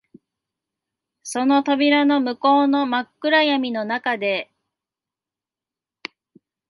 その扉の向こうの真っ暗闇の中で、